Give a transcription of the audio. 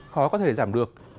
khó có thể giảm được